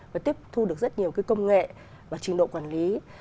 và tiếp thu được rất nhiều công nghệ và trình độ quản lý